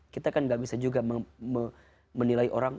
kita kan nggak bisa juga menilai orang